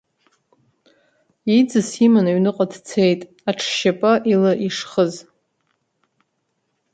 Иӡыс иман аҩныҟа дцеит, аҽшьапы ила ишхыз.